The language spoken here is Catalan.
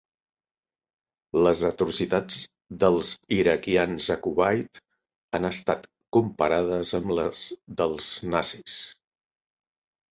Les atrocitats dels iraquians a Kuwait han estat comparades amb les dels nazis.